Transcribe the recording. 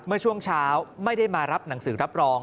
เมื่อช่วงเช้าไม่ได้มารับหนังสือรับรอง